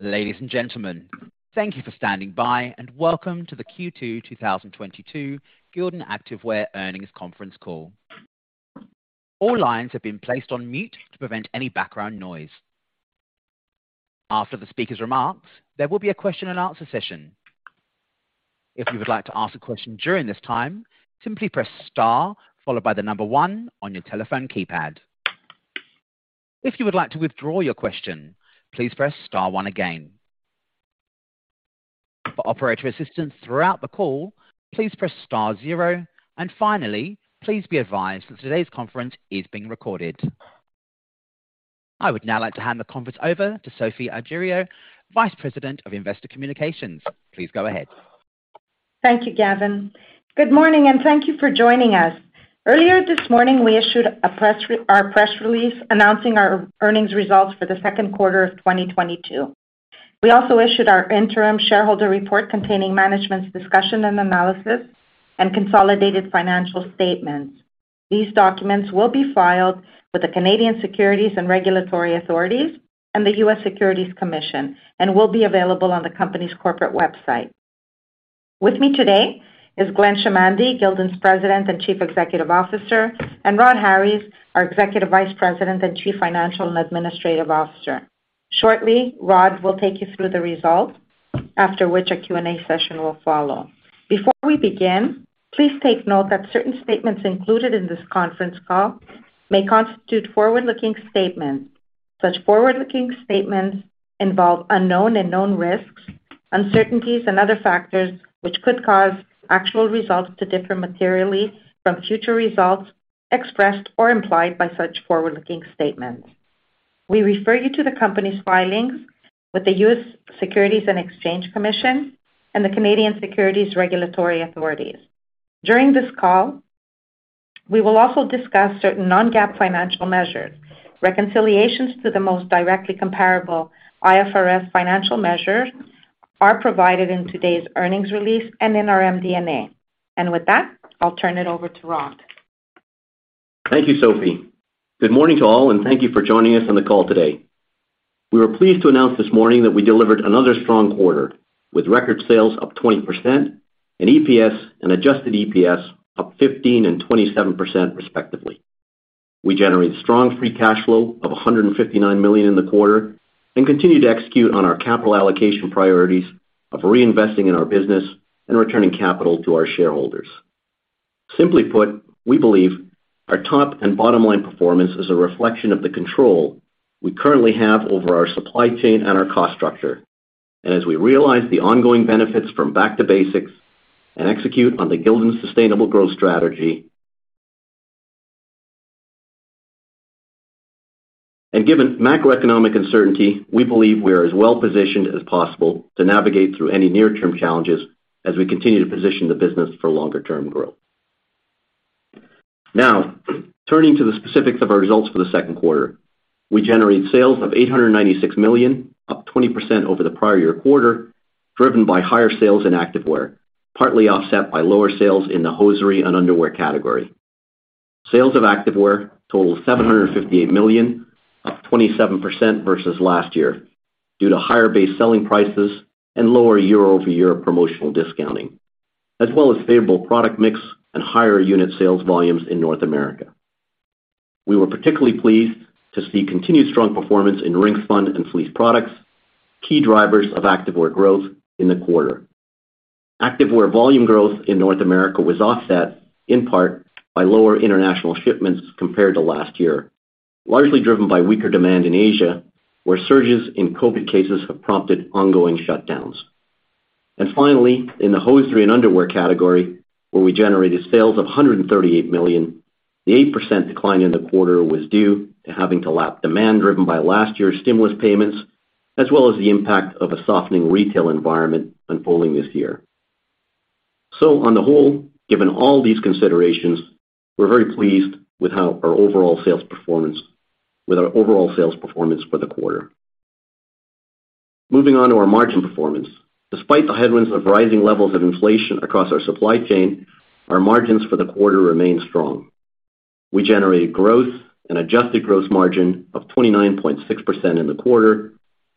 Ladies and gentlemen, thank you for standing by, and welcome to the Q2 2022 Gildan Activewear Earnings Conference Call. All lines have been placed on mute to prevent any background noise. After the speaker's remarks, there will be a question and answer session. If you would like to ask a question during this time, simply press star followed by the number one on your telephone keypad. If you would like to withdraw your question, please press star one again. For operator assistance throughout the call, please press star zero. Finally, please be advised that today's conference is being recorded. I would now like to hand the conference over to Sophie Argiriou, Vice President of Investor Communications. Please go ahead. Thank you, Gavin. Good morning, and thank you for joining us. Earlier this morning, we issued our press release announcing our earnings results for the second quarter of 2022. We also issued our interim shareholder report containing management's discussion and analysis and consolidated financial statements. These documents will be filed with the Canadian Securities Administrators and the U.S. Securities and Exchange Commission and will be available on the company's corporate website. With me today is Glenn Chamandy, Gildan's President and Chief Executive Officer, and Rhodri Harries, our Executive Vice President and Chief Financial and Administrative Officer. Shortly, Rhodri will take you through the results, after which a Q&A session will follow. Before we begin, please take note that certain statements included in this conference call may constitute forward-looking statements. Such forward-looking statements involve unknown and known risks, uncertainties, and other factors which could cause actual results to differ materially from future results expressed or implied by such forward-looking statements. We refer you to the company's filings with the U.S. Securities and Exchange Commission and the Canadian Securities Administrators. During this call, we will also discuss certain non-GAAP financial measures. Reconciliations to the most directly comparable IFRS financial measures are provided in today's earnings release and in our MD&A. With that, I'll turn it over to Rod. Thank you, Sophie. Good morning to all, and thank you for joining us on the call today. We were pleased to announce this morning that we delivered another strong quarter, with record sales up 20% and EPS and Adjusted EPS up 15% and 27% respectively. We generated strong free cash flow of $159 million in the quarter and continue to execute on our capital allocation priorities of reinvesting in our business and returning capital to our shareholders. Simply put, we believe our top and bottom line performance is a reflection of the control we currently have over our supply chain and our cost structure. We realize the ongoing benefits from back to basics and execute on the Gildan Sustainable Growth strategy. Given macroeconomic uncertainty, we believe we are as well positioned as possible to navigate through any near term challenges as we continue to position the business for longer term growth. Now, turning to the specifics of our results for the second quarter. We generated sales of $896 million, up 20% over the prior year quarter, driven by higher sales in Activewear, partly offset by lower sales in the Hosiery and Underwear category. Sales of Activewear totaled $758 million, up 27% versus last year due to higher base selling prices and lower year-over-year promotional discounting, as well as favorable product mix and higher unit sales volumes in North America. We were particularly pleased to see continued strong performance in Ringspun and fleece products, key drivers of Activewear growth in the quarter. Activewear volume growth in North America was offset in part by lower international shipments compared to last year, largely driven by weaker demand in Asia, where surges in COVID cases have prompted ongoing shutdowns. Finally, in the hosiery and underwear category, where we generated sales of $138 million, the 8% decline in the quarter was due to having to lap demand driven by last year's stimulus payments as well as the impact of a softening retail environment unfolding this year. On the whole, given all these considerations, we're very pleased with how our overall sales performance for the quarter. Moving on to our margin performance. Despite the headwinds of rising levels of inflation across our supply chain, our margins for the quarter remain strong. We generated gross and adjusted gross margin of 29.6% in the quarter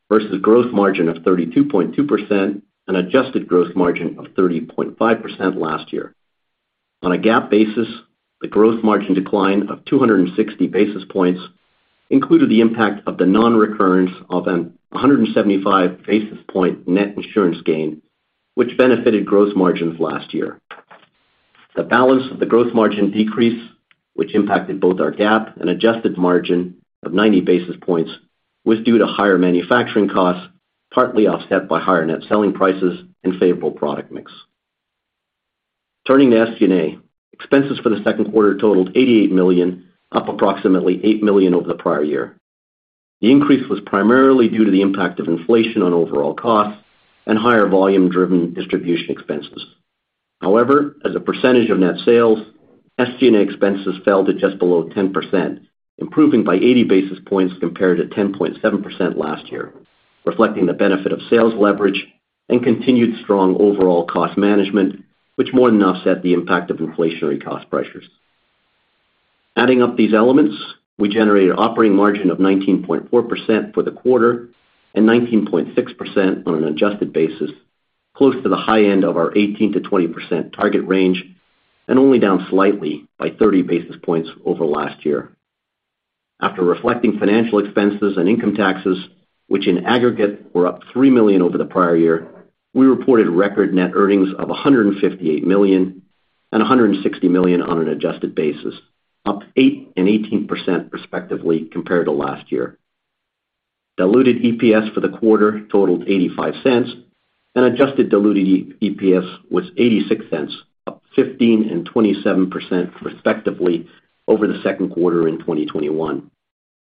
versus gross margin of 32.2% and adjusted gross margin of 30.5% last year. On a GAAP basis, the gross margin decline of 260 basis points included the impact of the non-recurrence of a 175 basis point net insurance gain, which benefited gross margins last year. The balance of the gross margin decrease, which impacted both our GAAP and adjusted margin of 90 basis points, was due to higher manufacturing costs, partly offset by higher net selling prices and favorable product mix. Turning to SG&A. Expenses for the second quarter totaled $88 million, up approximately $8 million over the prior year. The increase was primarily due to the impact of inflation on overall costs and higher volume-driven distribution expenses. However, as a percentage of net sales, SG&A expenses fell to just below 10%, improving by 80 basis points compared to 10.7% last year, reflecting the benefit of sales leverage and continued strong overall cost management, which more than offset the impact of inflationary cost pressures. Adding up these elements, we generated operating margin of 19.4% for the quarter and 19.6% on an adjusted basis, close to the high end of our 18%-20% target range, and only down slightly by 30 basis points over last year. After reflecting financial expenses and income taxes, which in aggregate were up $3 million over the prior year, we reported record net earnings of $158 million and $160 million on an adjusted basis, up 8% and 18% respectively compared to last year. Diluted EPS for the quarter totaled $0.85, and adjusted diluted EPS was $0.86, up 15% and 27% respectively over the second quarter in 2021.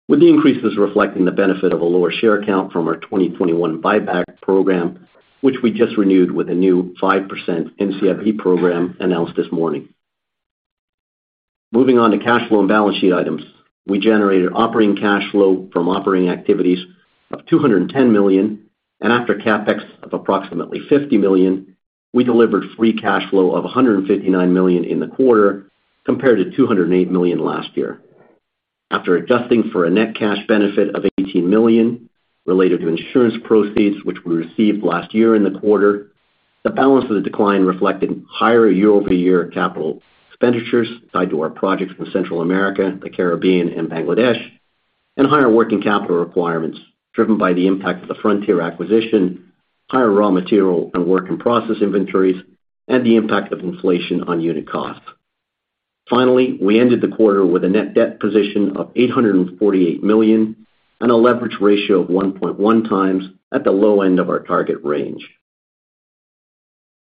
With the increases reflecting the benefit of a lower share count from our 2021 buyback program, which we just renewed with a new 5% NCIB program announced this morning. Moving on to cash flow and balance sheet items. We generated operating cash flow from operating activities of $210 million, and after CapEx of approximately $50 million, we delivered free cash flow of $159 million in the quarter compared to $208 million last year. After adjusting for a net cash benefit of $18 million related to insurance proceeds, which we received last year in the quarter, the balance of the decline reflected higher year-over-year capital expenditures tied to our projects in Central America, the Caribbean and Bangladesh, and higher working capital requirements driven by the impact of the Frontier acquisition, higher raw material and work in process inventories, and the impact of inflation on unit costs. Finally, we ended the quarter with a net debt position of $848 million and a leverage ratio of 1.1x at the low end of our target range.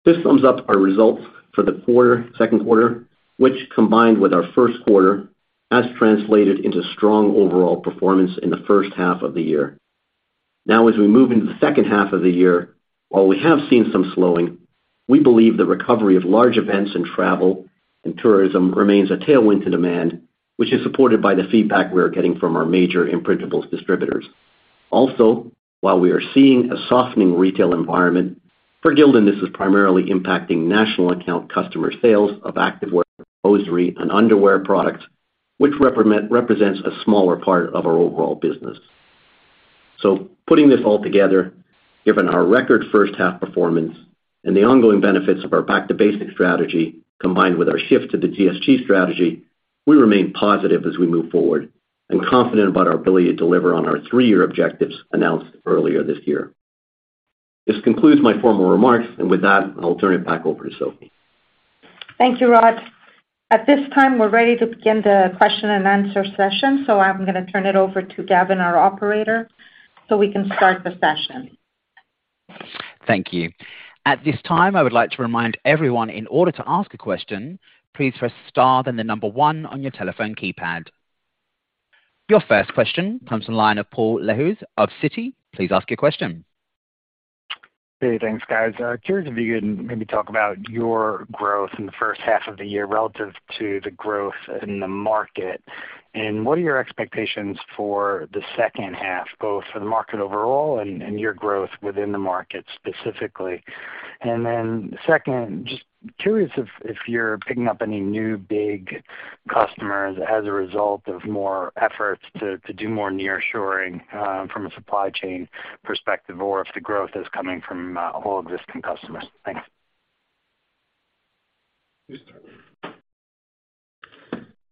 This sums up our results for the quarter, second quarter, which combined with our first quarter, has translated into strong overall performance in the first half of the year. As we move into the second half of the year, while we have seen some slowing, we believe the recovery of large events in travel and tourism remains a tailwind to demand, which is supported by the feedback we're getting from our major imprintables distributors. Also, while we are seeing a softening retail environment, for Gildan, this is primarily impacting national account customer sales of activewear, hosiery and underwear products, which represents a smaller part of our overall business. Putting this all together, given our record first half performance and the ongoing benefits of our back to basics strategy combined with our shift to the GSG strategy, we remain positive as we move forward and confident about our ability to deliver on our three-year objectives announced earlier this year. This concludes my formal remarks, and with that, I'll turn it back over to Sophie. Thank you, Rod. At this time, we're ready to begin the question and answer session, so I'm gonna turn it over to Gavin, our operator, so we can start the session. Thank you. At this time, I would like to remind everyone, in order to ask a question, please press star then the number one on your telephone keypad. Your first question comes from the line of Paul Lejuez of Citi. Please ask your question. Hey, thanks, guys. Curious if you can maybe talk about your growth in the first half of the year relative to the growth in the market. What are your expectations for the second half, both for the market overall and your growth within the market specifically? Then second, just curious if you're picking up any new big customers as a result of more efforts to do more nearshoring from a supply chain perspective, or if the growth is coming from all existing customers. Thanks.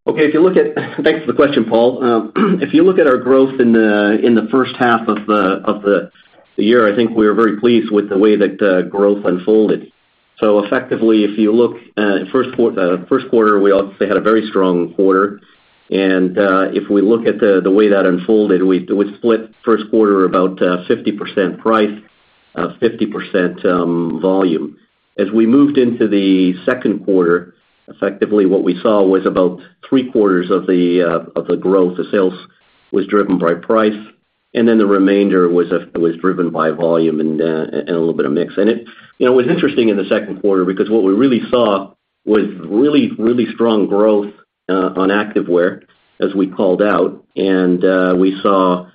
Okay. Thanks for the question, Paul. If you look at our growth in the first half of the year, I think we are very pleased with the way that growth unfolded. Effectively, if you look at first quarter, we obviously had a very strong quarter. If we look at the way that unfolded, we split first quarter about 50% price, 50% volume. As we moved into the second quarter, effectively what we saw was about three-quarters of the growth of sales was driven by price, and then the remainder was driven by volume and a little bit of mix. It, you know, was interesting in the second quarter because what we really saw was really strong growth on Activewear, as we called out, and we saw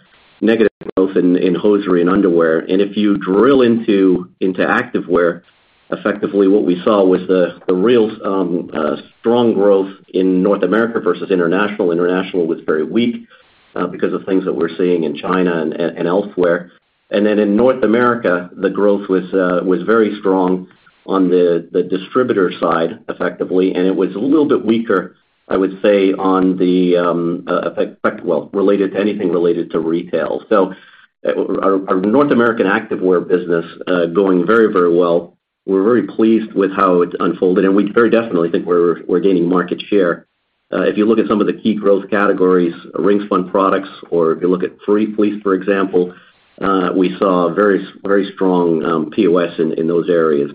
negative growth in Hosiery and Underwear. If you drill into Activewear, effectively what we saw was a real strong growth in North America versus international. International was very weak because of things that we're seeing in China and elsewhere. Then in North America, the growth was very strong on the distributor side, effectively, and it was a little bit weaker, I would say, on the well, related to anything related to retail. Our North American Activewear business going very well. We're very pleased with how it's unfolded, and we very definitely think we're gaining market share. If you look at some of the key growth categories, Ringspun products, or if you look at fleece, for example, we saw very strong POS in those areas.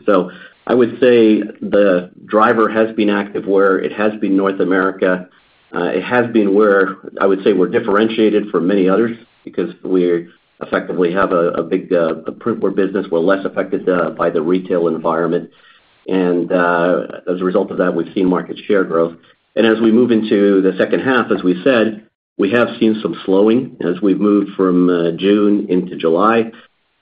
I would say the driver has been Activewear. It has been North America. It has been where, I would say we're differentiated from many others because we effectively have a big footwear business. We're less affected by the retail environment. As a result of that, we've seen market share growth. As we move into the second half, as we said, we have seen some slowing as we've moved from June into July.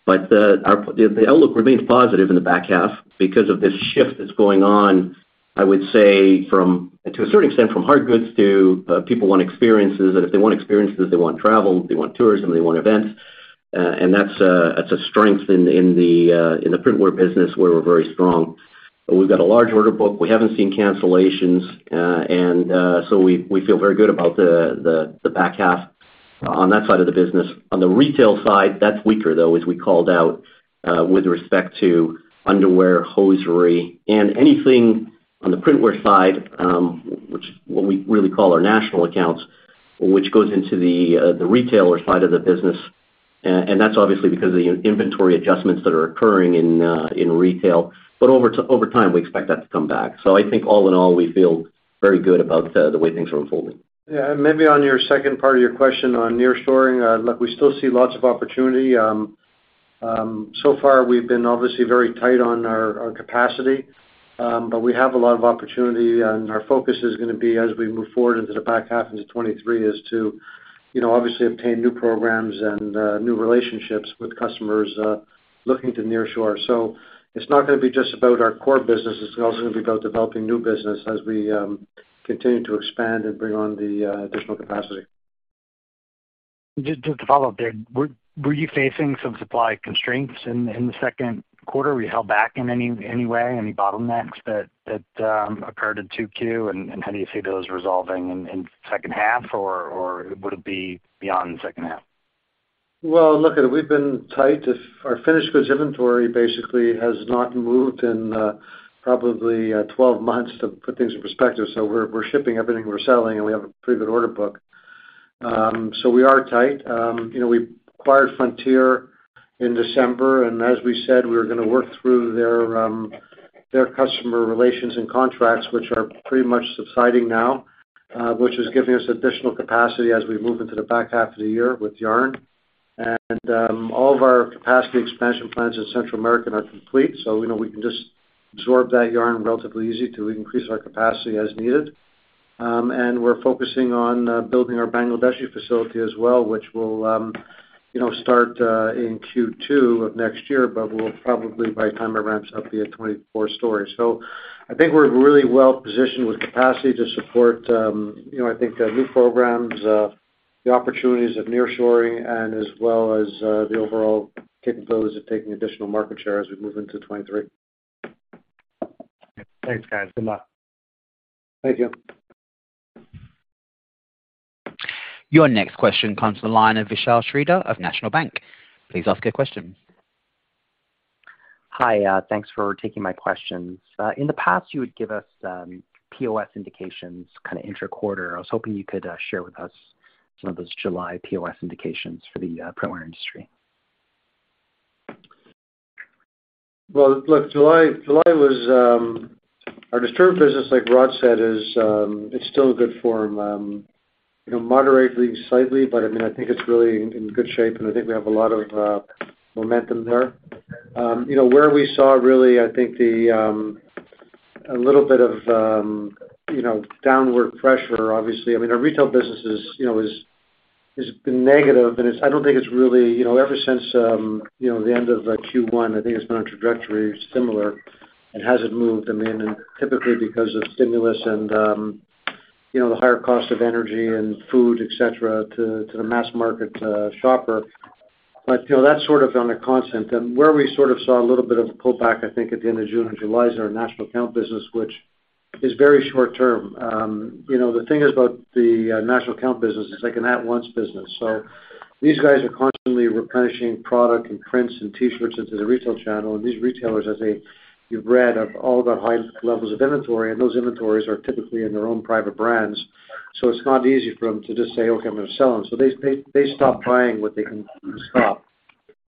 Our outlook remains positive in the back half because of this shift that's going on, I would say from, to a certain extent, from hard goods to people want experiences. If they want experiences, they want travel, they want tourism, they want events. That's a strength in the printwear business where we're very strong. We've got a large order book. We haven't seen cancellations. We feel very good about the back half on that side of the business. On the retail side, that's weaker, though, as we called out, with respect to underwear, hosiery and anything on the printwear side, which we really call our national accounts, which goes into the retailer side of the business. That's obviously because of the inventory adjustments that are occurring in retail, but over time, we expect that to come back. I think all in all, we feel very good about the way things are unfolding. Yeah. Maybe on your second part of your question on nearshoring, look, we still see lots of opportunity. So far we've been obviously very tight on our capacity. We have a lot of opportunity, and our focus is gonna be as we move forward into the back half into 2023, is to, you know, obviously obtain new programs and, new relationships with customers, looking to nearshore. It's not gonna be just about our core business, it's also gonna be about developing new business as we continue to expand and bring on the additional capacity. Just to follow up there. Were you facing some supply constraints in the second quarter? Were you held back in any way, any bottlenecks that occurred in 2Q? How do you see those resolving in the second half, or would it be beyond second half? Well, look it, we've been tight. If our finished goods inventory basically has not moved in, probably, 12 months to put things in perspective. We're shipping everything we're selling, and we have a pretty good order book. We are tight. You know, we acquired Frontier in December, and as we said, we were gonna work through their customer relations and contracts, which are pretty much subsiding now, which is giving us additional capacity as we move into the back half of the year with yarn. All of our capacity expansion plans in Central America are complete, so you know, we can just absorb that yarn relatively easy to increase our capacity as needed. We're focusing on building our Bangladeshi facility as well, which will, you know, start in Q2 of next year, but we'll probably, by the time it ramps up, be at 24 stories. I think we're really well positioned with capacity to support, you know, I think, new programs, the opportunities of nearshoring as well as the overall capabilities of taking additional market share as we move into 2023. Thanks, guys. Good luck. Thank you. Your next question comes to the line of Vishal Shreedhar of National Bank. Please ask your question. Hi, thanks for taking my questions. In the past, you would give us POS indications kind of inter quarter. I was hoping you could share with us some of those July POS indications for the printwear industry. Well, look, July was our direct business like Rod said. It's still in good form. You know, moderating slightly, but I mean, I think it's really in good shape, and I think we have a lot of momentum there. You know, where we saw really, I think, a little bit of, you know, downward pressure obviously. I mean, our retail business is, you know, negative and it's. I don't think it's really, you know, ever since, you know, the end of Q1. I think it's been on trajectory similar. It hasn't moved, I mean, and typically because of stimulus and, you know, the higher cost of energy and food, et cetera, to the mass market shopper. You know, that's sort of been a constant. Where we sort of saw a little bit of a pullback, I think, at the end of June and July is our national account business, which is very short term. You know, the thing is about the national account business is like an at-once business. These guys are constantly replenishing product and prints and T-shirts into the retail channel. These retailers, as they, you've read of all the high levels of inventory, and those inventories are typically in their own private brands. It's not easy for them to just say, "Okay, I'm gonna sell them." They stop buying what they can stop.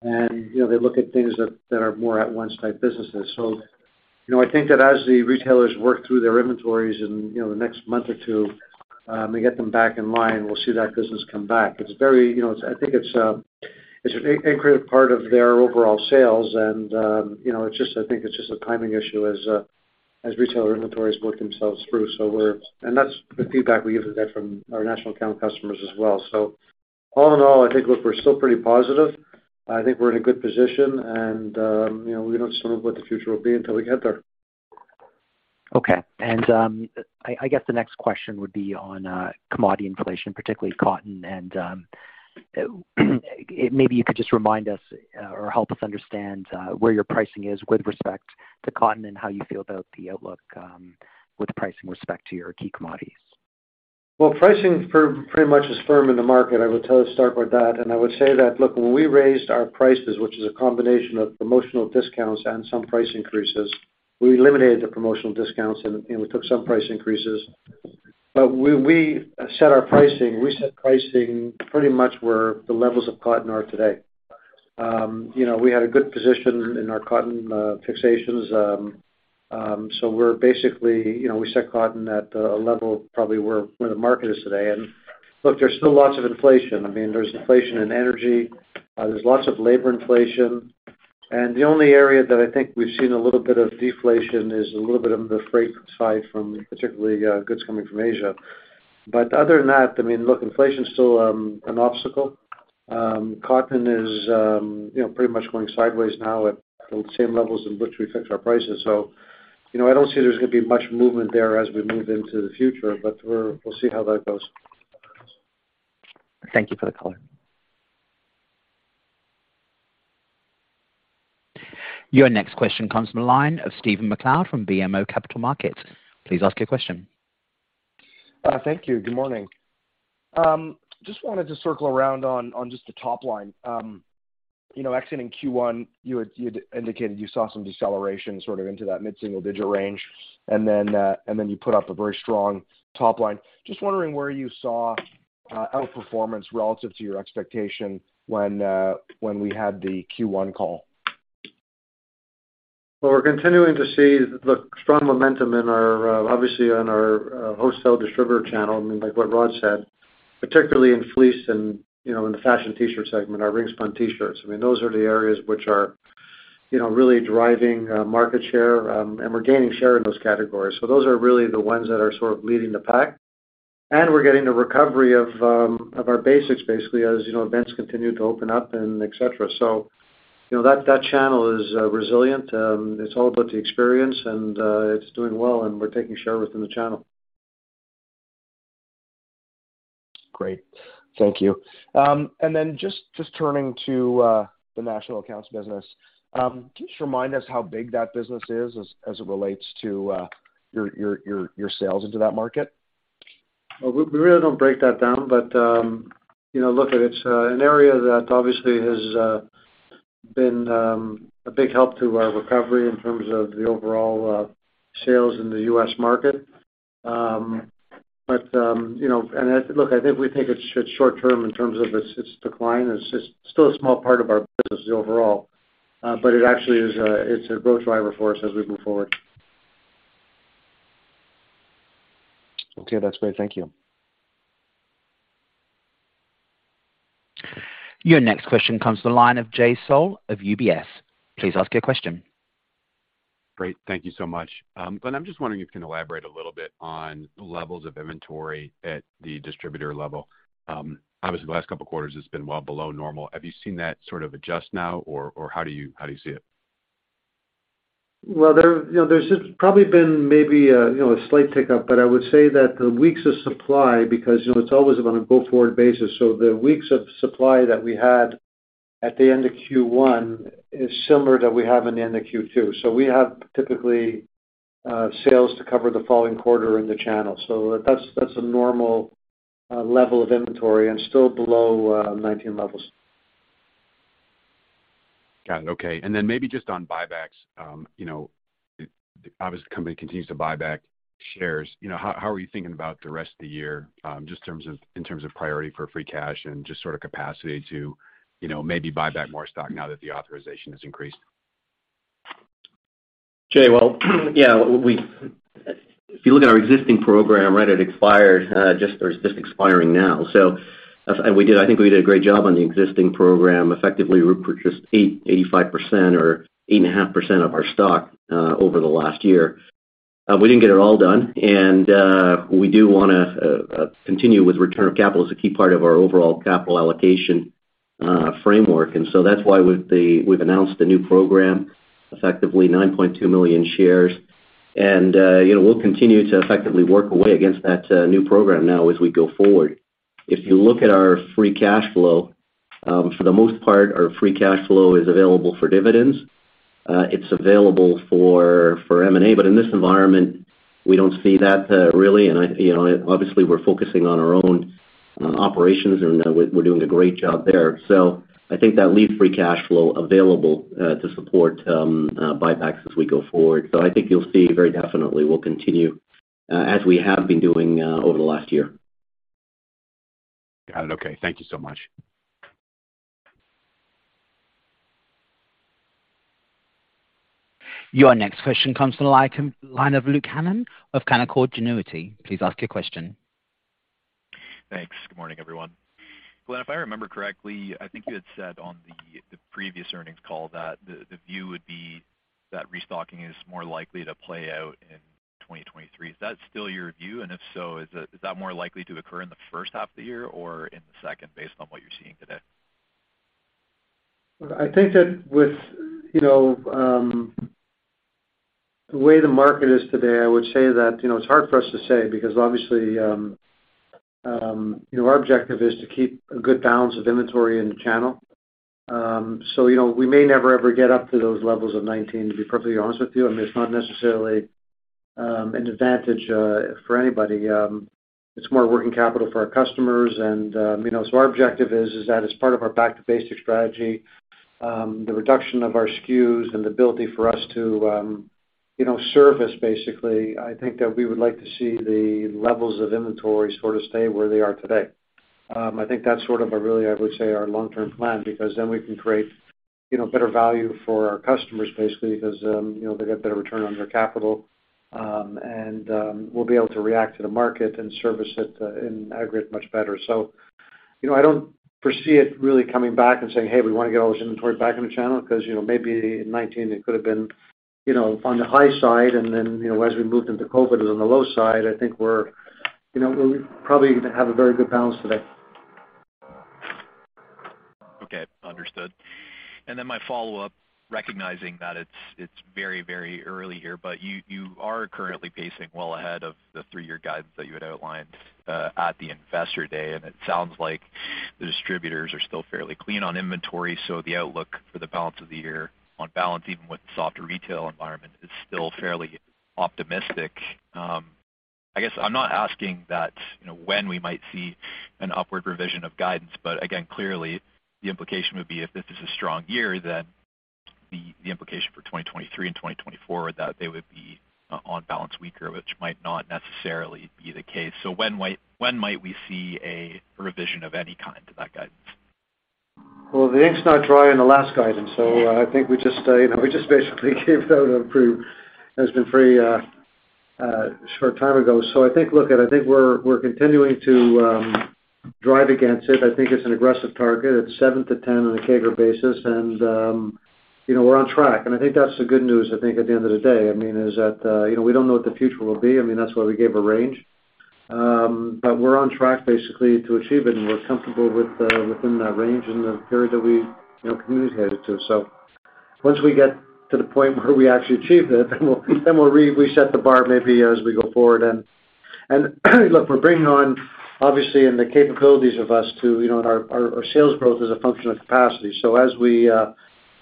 You know, they look at things that are more at-once type businesses. You know, I think that as the retailers work through their inventories in, you know, the next month or two, and get them back in line, we'll see that business come back. It's very, you know, it's an incredible part of their overall sales and, you know, it's just, I think it's just a timing issue as retailer inventories work themselves through. That's the feedback we usually get from our national account customers as well. All in all, I think, look, we're still pretty positive. I think we're in a good position and, you know, we don't know what the future will be until we get there. Okay. I guess the next question would be on commodity inflation, particularly cotton. Maybe you could just remind us or help us understand where your pricing is with respect to cotton and how you feel about the outlook with respect to pricing your key commodities. Well, pricing is pretty much firm in the market. I would tell you, start with that. I would say that, look, when we raised our prices, which is a combination of promotional discounts and some price increases, we eliminated the promotional discounts and, you know, we took some price increases. When we set our pricing, we set pricing pretty much where the levels of cotton are today. You know, we had a good position in our cotton fixations. So we're basically, you know, we set cotton at a level probably where the market is today. Look, there's still lots of inflation. I mean, there's inflation in energy. There's lots of labor inflation and the only area that I think we've seen a little bit of deflation is a little bit of the freight side from particularly goods coming from Asia. Other than that, I mean, look, inflation is still an obstacle. Cotton is, you know, pretty much going sideways now at the same levels in which we fixed our prices. You know, I don't see there's gonna be much movement there as we move into the future, but we'll see how that goes. Thank you for the color. Your next question comes from the line of Stephen MacLeod from BMO Capital Markets. Please ask your question. Thank you. Good morning. Just wanted to circle around on just the top line. You know, exiting Q1, you had indicated you saw some deceleration sort of into that mid-single-digit range. Then you put up a very strong top line. Just wondering where you saw outperformance relative to your expectation when we had the Q1 call. Well, we're continuing to see the strong momentum in our wholesale distributor channel. I mean, like what Rod said, particularly in fleece and, you know, in the fashion T-shirt segment, our ring-spun T-shirts. I mean, those are the areas which are, you know, really driving market share, and we're gaining share in those categories. Those are really the ones that are sort of leading the pack. We're getting the recovery of our basics, basically, as, you know, events continue to open up and et cetera. You know, that channel is resilient. It's all about the experience and it's doing well, and we're taking share within the channel. Great. Thank you. Just turning to the national accounts business. Can you just remind us how big that business is as it relates to your sales into that market? Well, we really don't break that down, but you know, look, it's an area that obviously has been a big help to our recovery in terms of the overall sales in the U.S. market. Look, I think it's short term in terms of its decline. It's still a small part of our business overall, but it actually is a growth driver for us as we move forward. Okay, that's great. Thank you. Your next question comes to the line of Jay Sole of UBS. Please ask your question. Great. Thank you so much. Glenn, I'm just wondering if you can elaborate a little bit on the levels of inventory at the distributor level. Obviously the last couple quarters it's been well below normal. Have you seen that sort of adjust now? Or, how do you see it? Well, you know, there's just probably been maybe a slight tick up, but I would say that the weeks of supply, because, you know, it's always on a go-forward basis. The weeks of supply that we had at the end of Q1 is similar to what we have at the end of Q2. We have typically sales to cover the following quarter in the channel. That's a normal level of inventory and still below 19 levels. Got it. Okay. Maybe just on buybacks. You know, obviously, the company continues to buy back shares. You know, how are you thinking about the rest of the year, just in terms of priority for free cash and just sort of capacity to, you know, maybe buy back more stock now that the authorization has increased? Jay. Well, yeah, if you look at our existing program, right, it expired, or it's just expiring now. I think we did a great job on the existing program. Effectively, we purchased 85% or 8.5% of our stock over the last year. We didn't get it all done, and we do wanna continue with return of capital as a key part of our overall capital allocation framework. That's why we've announced a new program, effectively 9.2 million shares. You know, we'll continue to effectively work away against that new program now as we go forward. If you look at our free cash flow, for the most part, our free cash flow is available for dividends. It's available for M&A, but in this environment, we don't see that really. You know, obviously, we're focusing on our own operations, and we're doing a great job there. I think that leaves free cash flow available to support buybacks as we go forward. I think you'll see very definitely we'll continue as we have been doing over the last year. Got it. Okay, thank you so much. Your next question comes from the line of Luke Hannan of Canaccord Genuity. Please ask your question. Thanks. Good morning, everyone. Glenn, if I remember correctly, I think you had said on the previous earnings call that the view would be that restocking is more likely to play out in 2023. Is that still your view? If so, is that more likely to occur in the first half of the year or in the second based on what you're seeing today? I think that with you know the way the market is today, I would say that you know it's hard for us to say because obviously you know our objective is to keep a good balance of inventory in the channel. You know we may never ever get up to those levels of 2019, to be perfectly honest with you. I mean it's not necessarily an advantage for anybody. It's more working capital for our customers and you know. Our objective is that as part of our back to basics strategy the reduction of our SKUs and the ability for us to you know service basically I think that we would like to see the levels of inventory sort of stay where they are today. I think that's sort of a really, I would say, our long-term plan because then we can create, you know, better value for our customers basically because, you know, they get better return on their capital. We'll be able to react to the market and service it in aggregate much better. You know, I don't foresee it really coming back and saying, "Hey, we wanna get all this inventory back in the channel." Because, you know, maybe in 2019 it could have been, you know, on the high side. Then, you know, as we moved into COVID it was on the low side. I think we're, you know, we probably have a very good balance today. Okay, understood. Then my follow-up, recognizing that it's very, very early here, but you are currently pacing well ahead of the three-year guidance that you had outlined at the investor day. It sounds like the distributors are still fairly clean on inventory, so the outlook for the balance of the year on balance, even with softer retail environment, is still fairly optimistic. I guess I'm not asking that, you know, when we might see an upward revision of guidance, but again, clearly the implication would be if this is a strong year, then the implication for 2023 and 2024 are that they would be on balance weaker, which might not necessarily be the case. When might we see a revision of any kind to that guidance? Well, the ink's not dry on the last guidance, so I think we just, you know, basically gave that approval. It's been a pretty short time ago. I think, look, I think we're continuing to drive against it. I think it's an aggressive target. It's 7%-10% on a CAGR basis and, you know, we're on track. I think that's the good news, I think, at the end of the day. I mean, that's, you know, we don't know what the future will be. I mean, that's why we gave a range. We're on track basically to achieve it, and we're comfortable within that range in the period that we, you know, communicated to. Once we get to the point where we actually achieve it, then we'll reset the bar maybe as we go forward. Look, our sales growth is a function of capacity. As we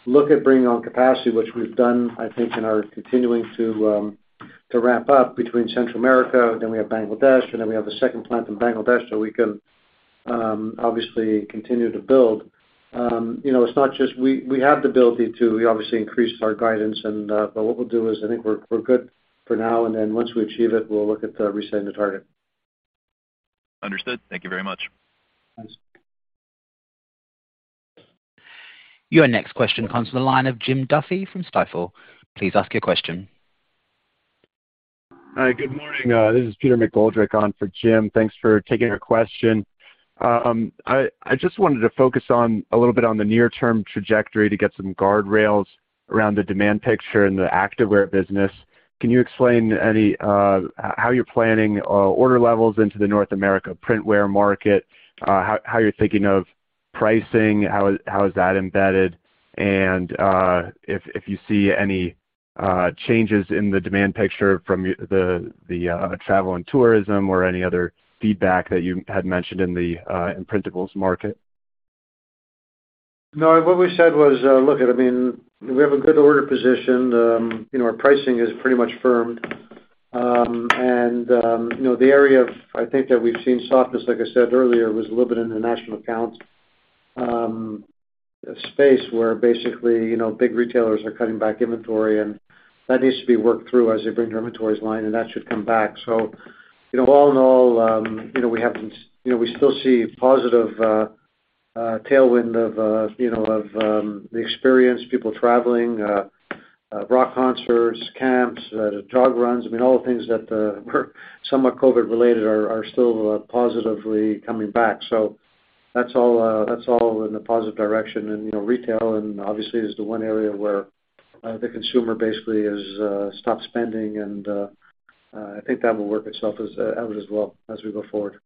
look at bringing on capacity, which we've done, I think, and are continuing to ramp up in Central America, then we have Bangladesh, and then we have a second plant in Bangladesh, so we can obviously continue to build. It's not just we have the ability to. We obviously increased our guidance, but what we'll do is I think we're good for now, and then once we achieve it, we'll look at resetting the target. Understood. Thank you very much. Your next question comes from the line of Jim Duffy from Stifel. Please ask your question. Hi, good morning. This is Peter McGoldrick on for Jim. Thanks for taking our question. I just wanted to focus on a little bit on the near-term trajectory to get some guardrails around the demand picture in the activewear business. Can you explain any, how you're planning order levels into the North America printwear market? How you're thinking of pricing? How is that embedded? If you see any changes in the demand picture from the travel and tourism or any other feedback that you had mentioned in the printwear market. No, what we said was, look, I mean, we have a good order position. You know, our pricing is pretty much firmed. You know, the area of, I think, that we've seen softness, like I said earlier, was a little bit in the national account space, where basically, you know, big retailers are cutting back inventory and that needs to be worked through as they bring their inventories in line, and that should come back. So, you know, all in all, you know, we have, you know, we still see positive tailwind of, you know, of, the experience, people traveling, rock concerts, camps, jog runs. I mean, all the things that were somewhat COVID related are still positively coming back. So that's all in the positive direction. You know, retail and obviously is the one area where the consumer basically has stopped spending and I think that will work itself out as well as we go forward.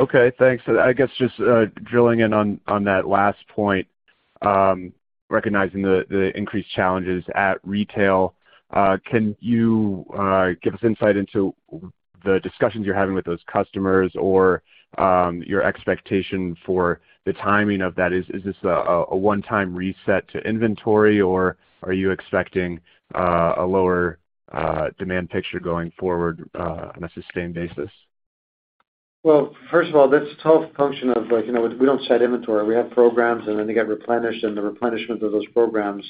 Okay, thanks. I guess just drilling in on that last point, recognizing the increased challenges at retail, can you give us insight into the discussions you're having with those customers or your expectation for the timing of that? Is this a one-time reset to inventory, or are you expecting a lower demand picture going forward on a sustained basis? Well, first of all, that's a tough function of like, you know, we don't set inventory. We have programs, and then they get replenished, and the replenishment of those programs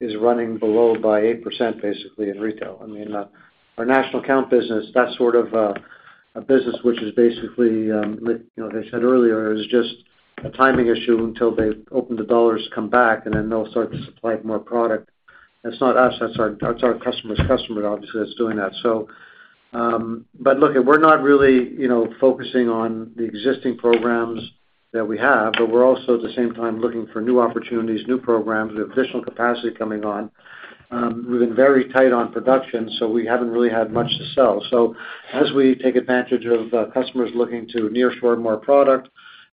is running below by 8% basically in retail. I mean, our national account business, that's sort of a business which is basically like, you know, as I said earlier, is just a timing issue until they open the dollars to come back, and then they'll start to supply more product. That's not us, that's our customer's customer obviously that's doing that. But look, we're not really, you know, focusing on the existing programs that we have, but we're also at the same time looking for new opportunities, new programs with additional capacity coming on. We've been very tight on production, so we haven't really had much to sell. As we take advantage of customers looking to nearshore more product,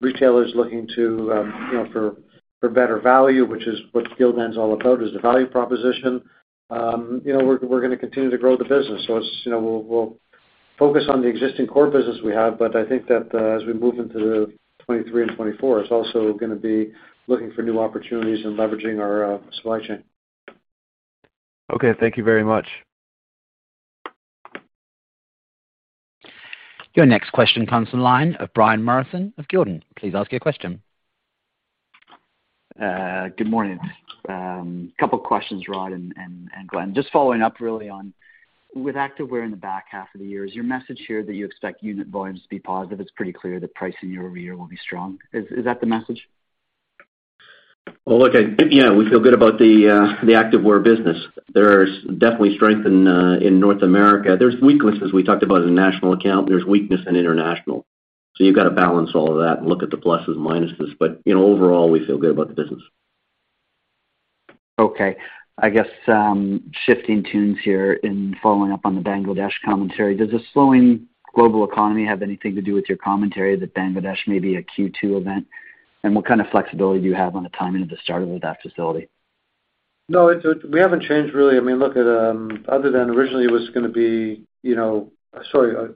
retailers looking to you know for better value, which is what Gildan is all about, is the value proposition. You know, we're gonna continue to grow the business. It's you know we'll focus on the existing core business we have, but I think that as we move into 2023 and 2024, it's also gonna be looking for new opportunities and leveraging our supply chain. Okay. Thank you very much. Your next question comes from the line of Brian Morrison of TD Cowen. Please ask your question. Good morning. A couple questions, Rod and Glenn. Just following up really on with activewear in the back half of the year. Is your message here that you expect unit volumes to be positive? It's pretty clear the pricing year-over-year will be strong. Is that the message? Well, look, yeah, we feel good about the activewear business. There's definitely strength in North America. There's weaknesses. We talked about in national account, there's weakness in international. You've got to balance all of that and look at the pluses and minuses. You know, overall, we feel good about the business. Okay. I guess, shifting gears here and following up on the Bangladesh commentary. Does the slowing global economy have anything to do with your commentary that Bangladesh may be a Q2 event? And what kind of flexibility do you have on the timing of the start of that facility? No, we haven't changed really. I mean, originally it was gonna be, you know, Q1,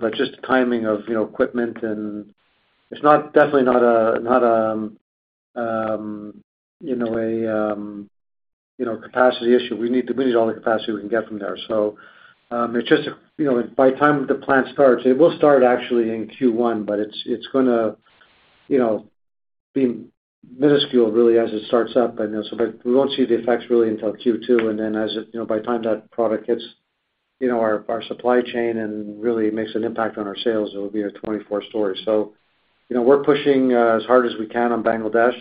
but just the timing of, you know, equipment and it's not, definitely not a capacity issue. We need all the capacity we can get from there. It's just, you know, by the time the plant starts, it will start actually in Q1, but it's gonna, you know, be minuscule really as it starts up. I know. But we won't see the effects really until Q2. Then as it, you know, by the time that product hits, you know, our supply chain and really makes an impact on our sales, it'll be a 24 stores. You know, we're pushing as hard as we can on Bangladesh.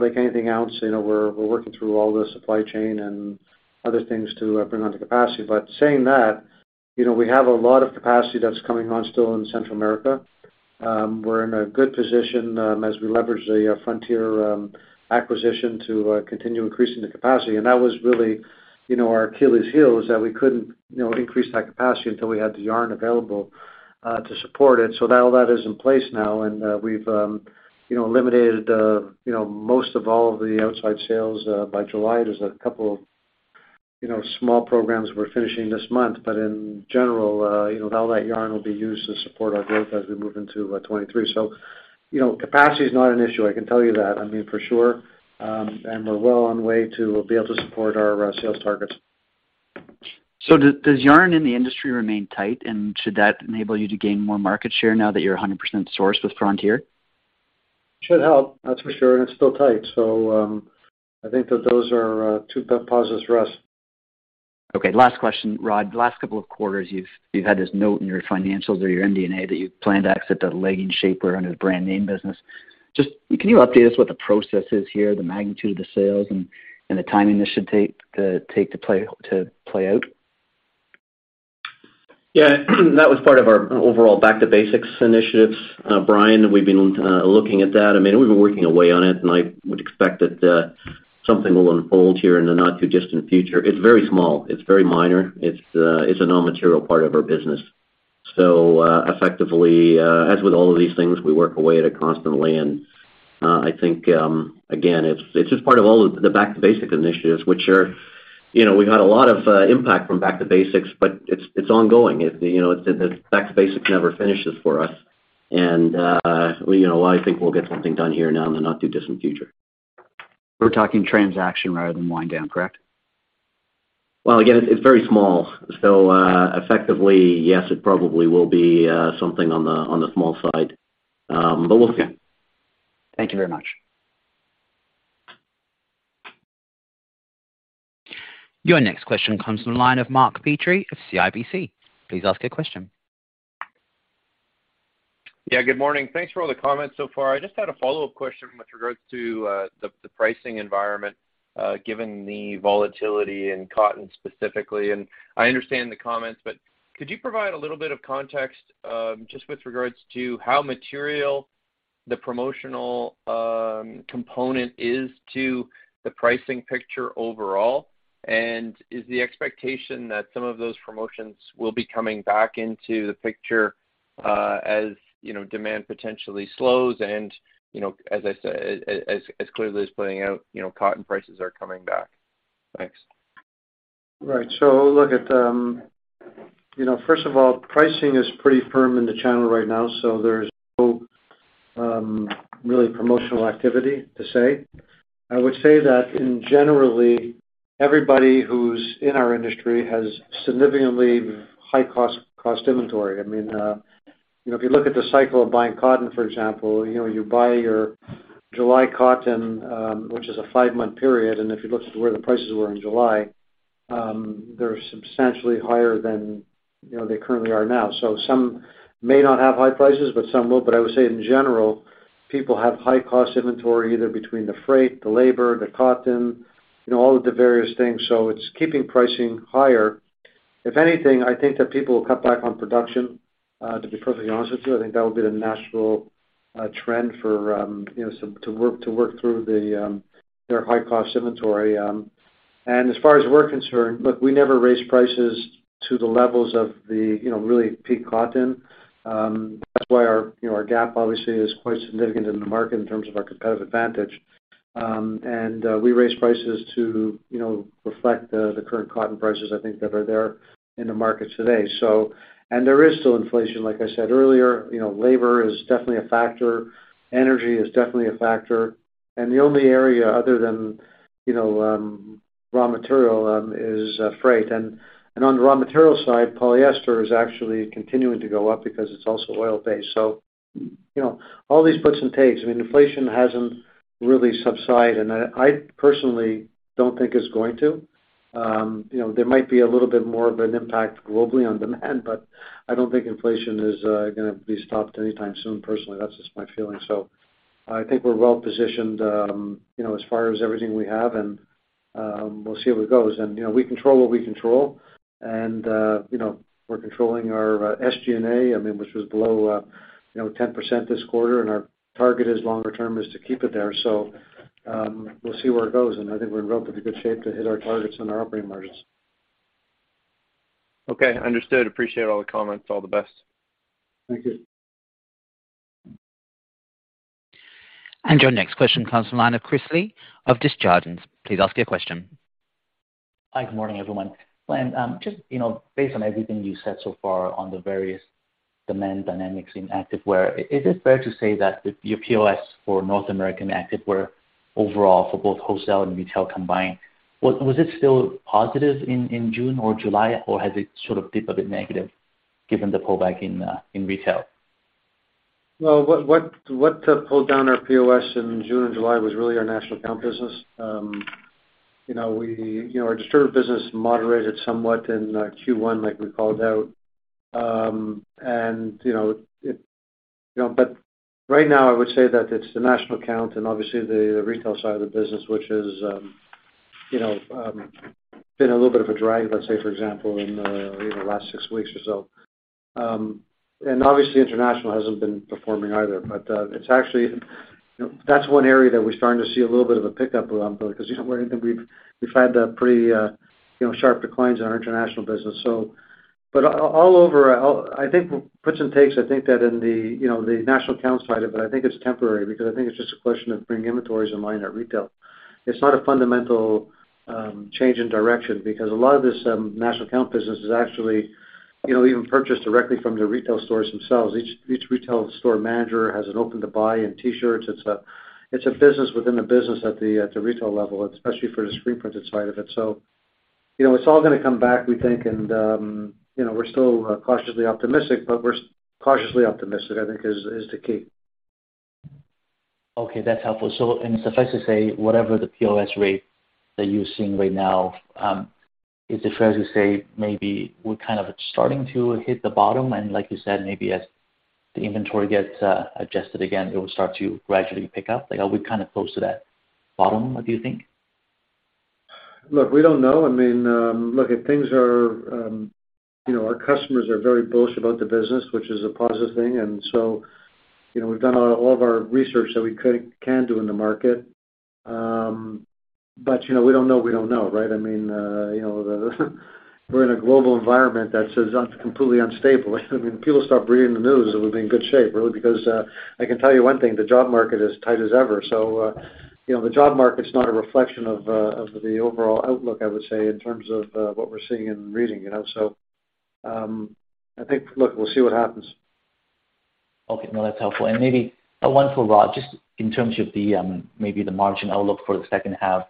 Like anything else, you know, we're working through all the supply chain and other things to bring on the capacity. Saying that, you know, we have a lot of capacity that's coming on still in Central America. We're in a good position as we leverage the Frontier acquisition to continue increasing the capacity. That was really, you know, our Achilles heel, that we couldn't, you know, increase that capacity until we had the yarn available to support it. Now that is in place now, and we've you know, eliminated you know, most of all of the outside sales by July. There's a couple you know, small programs we're finishing this month. In general, you know, all that yarn will be used to support our growth as we move into 2023. You know, capacity is not an issue, I can tell you that, I mean, for sure. We're well on the way to be able to support our sales targets. Does yarn in the industry remain tight? Should that enable you to gain more market share now that you're 100% sourced with Frontier? Should help, that's for sure. It's still tight. I think that those are two positives for us. Okay, last question, Rod. The last couple of quarters, you've had this note in your financials or your MD&A that you plan to exit the leggings, shapewear, underwear, the brand name business. Just, can you update us what the process is here, the magnitude of the sales and the timing this should take to play out? Yeah. That was part of our overall back to basics initiatives. Brian, we've been looking at that. I mean, we've been working away on it, and I would expect that something will unfold here in the not-too-distant future. It's very small. It's very minor. It's a non-material part of our business. So, effectively, as with all of these things, we work away at it constantly. I think, again, it's just part of all the back to basics initiatives which are, you know, we've had a lot of impact from back to basics, but it's ongoing. It, you know, the back to basics never finishes for us. You know, I think we'll get something done here in the not-too-distant future. We're talking transaction rather than wind down, correct? Well, again, it's very small. Effectively, yes, it probably will be something on the small side. We'll see. Okay. Thank you very much. Your next question comes from the line of Mark Petrie of CIBC. Please ask your question. Yeah, good morning. Thanks for all the comments so far. I just had a follow-up question with regards to the pricing environment, given the volatility in cotton specifically. I understand the comments, but could you provide a little bit of context, just with regards to how material the promotional component is to the pricing picture overall? Is the expectation that some of those promotions will be coming back into the picture, as you know, demand potentially slows and, you know, as I said, as is clearly playing out, you know, cotton prices are coming back? Thanks. Right. Look at, you know, first of all, pricing is pretty firm in the channel right now, so there's no really promotional activity to say. I would say that in generally everybody who's in our industry has significantly high cost inventory. I mean, you know, if you look at the cycle of buying cotton, for example, you know, you buy your July cotton, which is a five-month period, and if you looked at where the prices were in July, they're substantially higher than, you know, they currently are now. Some may not have high prices, but some will. I would say in general, people have high cost inventory, either between the freight, the labor, the cotton, you know, all of the various things. It's keeping pricing higher. If anything, I think that people will cut back on production, to be perfectly honest with you. I think that'll be the natural trend for you know some to work through their high cost inventory. As far as we're concerned, look, we never raise prices to the levels of the you know really peak cotton. That's why our you know our gap obviously is quite significant in the market in terms of our competitive advantage. We raise prices to you know reflect the current cotton prices I think that are there in the market today. There is still inflation, like I said earlier. You know, labor is definitely a factor. Energy is definitely a factor. The only area other than you know raw material is freight. On the raw material side, polyester is actually continuing to go up because it's also oil-based. You know, all these puts and takes. I mean, inflation hasn't really subsided, and I personally don't think it's going to. You know, there might be a little bit more of an impact globally on demand, but I don't think inflation is gonna be stopped anytime soon, personally. That's just my feeling. I think we're well positioned, you know, as far as everything we have, and we'll see where it goes. You know, we control what we control. You know, we're controlling our SG&A, I mean, which was below 10% this quarter. Our target longer term is to keep it there. We'll see where it goes.I think we're in relatively good shape to hit our targets and our operating margins. Okay, understood. Appreciate all the comments. All the best. Thank you. Your next question comes from the line of Chris Li of Desjardins. Please ask your question. Hi, good morning, everyone. Glenn, just, you know, based on everything you said so far on the various demand dynamics in activewear, is it fair to say that your POS for North American activewear overall for both wholesale and retail combined, was it still positive in June or July, or has it sort of dipped a bit negative given the pullback in retail? Well, what pulled down our POS in June and July was really our national account business. You know, our distributor business moderated somewhat in Q1 like we called out. You know, but right now I would say that it's the national account and obviously the retail side of the business, which is, you know, been a little bit of a drag, let's say for example in, you know, the last six weeks or so. Obviously international hasn't been performing either. It's actually. That's one area that we're starting to see a little bit of a pickup around, but because we've had pretty, you know, sharp declines on our international business. All over, I think puts and takes. I think that in the, you know, the national accounts side of it, but I think it's temporary because I think it's just a question of bringing inventories in line at retail. It's not a fundamental change in direction because a lot of this national account business is actually, you know, even purchased directly from the retail stores themselves. Each retail store manager has an open to buy in T-shirts. It's a business within a business at the retail level, especially for the screen printed side of it. You know, it's all gonna come back, we think. You know, we're still cautiously optimistic, but we're cautiously optimistic. I think is the key. Okay, that's helpful. It suffices to say whatever the POS rate that you're seeing right now, is it fair to say maybe we're kind of starting to hit the bottom and like you said, maybe as the inventory gets adjusted again, it will start to gradually pick up? Like, are we kinda close to that bottom, do you think? Look, we don't know. I mean, look, things are, you know, our customers are very bullish about the business, which is a positive thing. You know, we've done all of our research that we can do in the market. But, you know, we don't know, right? I mean, you know, we're in a global environment that's just completely unstable. I mean, people stop reading the news and we'll be in good shape really, because I can tell you one thing, the job market is tight as ever. You know, the job market's not a reflection of the overall outlook, I would say, in terms of what we're seeing and reading. You know? I think, look, we'll see what happens. Okay. No, that's helpful. Maybe one for Rod, just in terms of the maybe the margin outlook for the second half.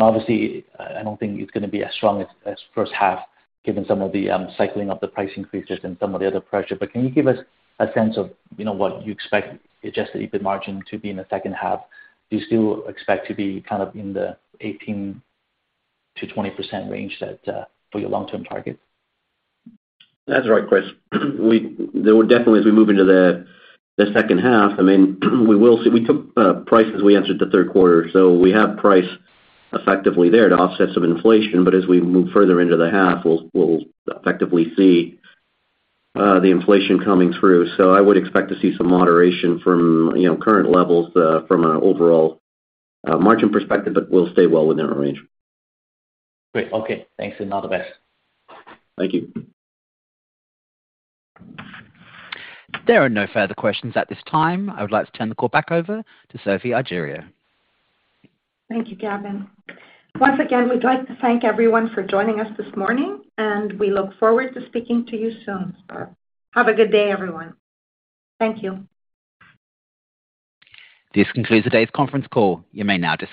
Obviously, I don't think it's gonna be as strong as first half given some of the cycling of the price increases and some of the other pressure. Can you give us a sense of, you know, what you expect adjusted EBIT margin to be in the second half? Do you still expect to be kind of in the 18%-20% range that for your long-term target? That's right, Chris. Definitely as we move into the second half, I mean, we will see. We took price increases we entered the third quarter. We have pricing effectively there to offset some inflation. As we move further into the half, we'll effectively see the inflation coming through. I would expect to see some moderation from, you know, current levels, from an overall margin perspective, but we'll stay well within our range. Great. Okay. Thanks and all the best. Thank you. There are no further questions at this time. I would like to turn the call back over to Sophie Argiriou. Thank you, Gavin. Once again, we'd like to thank everyone for joining us this morning, and we look forward to speaking to you soon. Have a good day, everyone. Thank you. This concludes today's conference call. You may now disconnect.